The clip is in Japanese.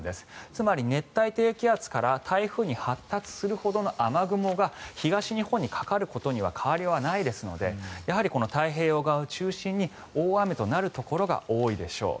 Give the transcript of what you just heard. つまり熱帯低気圧から台風に発達するほどの雨雲が東日本にかかることには変わりはないですのでやはり太平洋側を中心に大雨となるところが多いでしょう。